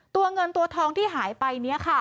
ตัวเงินตัวทองที่หายไปเนี่ยค่ะ